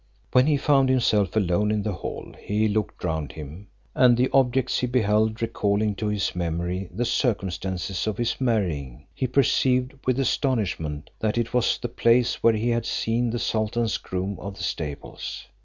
When he found himself alone in the hall, he looked round him, and the objects he beheld recalling to his memory the circumstances of his marriage, he perceived, with astonishment, that it was the place where he had seen the sultan's groom of the stables.